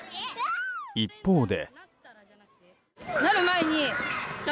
一方で。